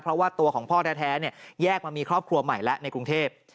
เพราะว่าตัวของพ่อแท้แยกมามีครอบครัวใหม่แล้วในกรุงเทพ